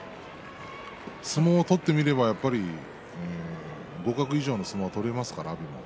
相撲を取ってみればやはり互角以上の相撲が取れます。